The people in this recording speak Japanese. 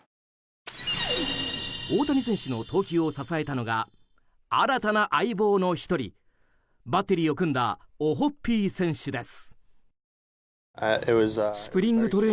大谷選手の投球を支えたのが新たな相棒の１人バッテリーを組んだオホッピー選手です。